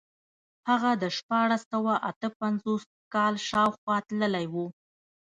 هغه د شپاړس سوه اته پنځوس کال شاوخوا تللی و.